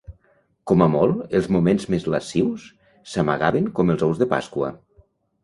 Com a molt, els moments més lascius s'amagaven com els ous de Pasqua.